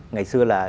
ngày xưa là